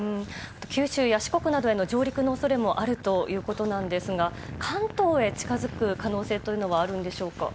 九州や四国などへの上陸の恐れもあるということですが関東へ近づく可能性というのはあるんでしょうか。